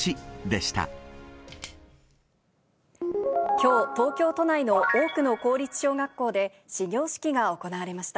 きょう、東京都内の多くの公立小学校で、始業式が行われました。